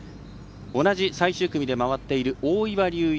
同じ最終組で回っている大岩龍一。